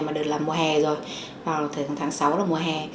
mà đợt là mùa hè rồi vào thời tháng sáu là mùa hè